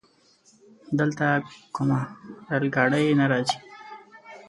دلته کومه رايل ګاډی نه راځي؟